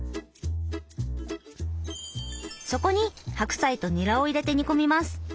そこに白菜とニラを入れて煮込みます。